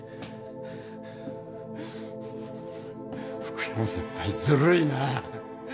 福山先輩ずるいな。